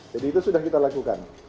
jadi itu sudah kita lakukan